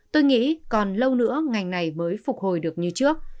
tôi nghĩ còn lâu nữa ngành này mới phục hồi được như trước